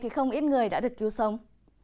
không ít người đã được cứu sống